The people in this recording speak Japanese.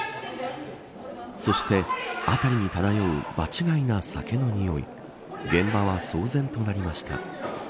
そして辺りに漂う場違いな酒のにおい現場は騒然となりました。